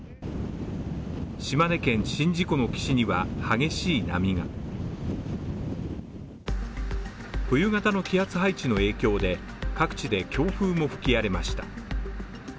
島根県宍道湖の岸には激しい波が冬型の気圧配置の影響で、各地で強風も吹き荒れました。